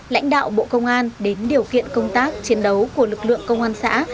lãnh đạo bộ công an đến điều kiện công tác chiến đấu của lực lượng công an xã